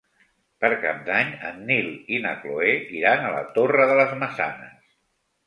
Per Cap d'Any en Nil i na Cloè iran a la Torre de les Maçanes.